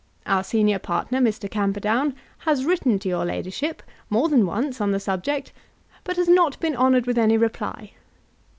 Our senior partner, Mr. Camperdown, has written to your ladyship more than once on the subject, but has not been honoured with any reply.